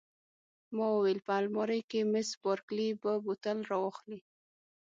ما وویل: په المارۍ کې، مس بارکلي به بوتل را واخلي.